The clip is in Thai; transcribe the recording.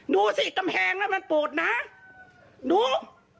ดูสิกำแพงน่ะมันโปรดน่ะดู